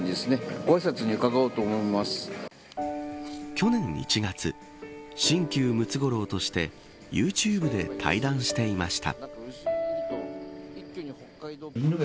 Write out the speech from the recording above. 去年１月新旧ムツゴロウとしてユーチューブで対談していました。